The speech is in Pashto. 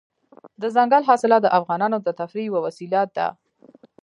دځنګل حاصلات د افغانانو د تفریح یوه وسیله ده.